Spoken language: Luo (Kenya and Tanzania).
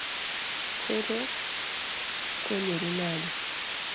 Koro ukonyoru nade?